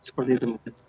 seperti itu mungkin